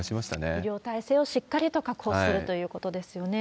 医療体制をしっかりと確保するということですよね。